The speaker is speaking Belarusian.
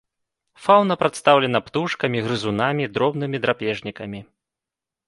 Фаўна прадстаўлена птушкамі, грызунамі, дробнымі драпежнікамі.